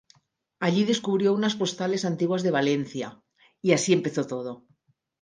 Allí descubrió unas postales antiguas de Valencia... ¡y así empezó todo!